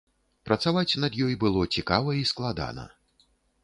Працаваць над ёй было цікава і складана.